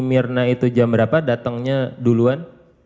mirna itu jam berapa datangnya duluan